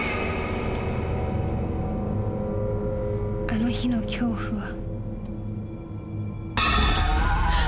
［あの日の恐怖は］